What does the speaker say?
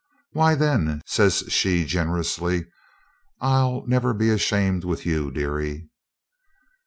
"Why, then," says she generously, "I'll never be ashamed with you, dearie."